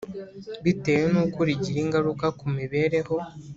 Bitewe n’uko rigira ingaruka ku mibereho